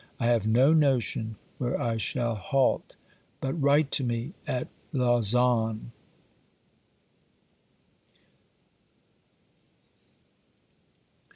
I have no notion where I shall halt, but write to me at Lausanne.